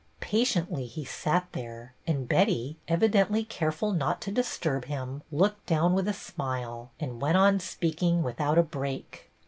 Patiently he sat there, and Betty, evidently careful not to disturb him, looked down with a smile and went on speaking without a break.